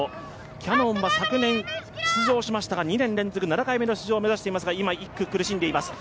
キヤノンは昨年、出場しましたが、２年連続７回目の出場を目指していますが今、１区苦しんでいます。